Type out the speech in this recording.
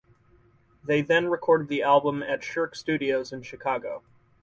They then recorded the album at Shirk Studios in Chicago.